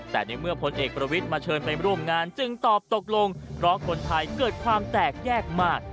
แต่ในเมื่อพลเอกประวิทย์มาเชิญไปร่วมงานจึงตอบตกลงเพราะคนไทยเกิดความแตกแยกมาก